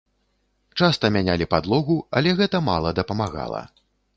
Часта мянялі падлогу, але гэта мала дапамагала.